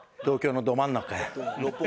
東京のど真ん中や。